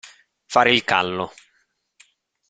Fare il callo.